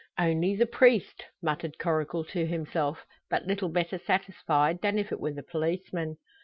"Only the priest!" muttered Coracle to himself, but little better satisfied than if it were the policeman.